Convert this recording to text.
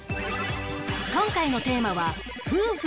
今回のテーマは